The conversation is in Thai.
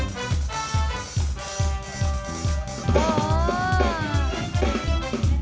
เป็นน้อยไมค์ตี้นะครับ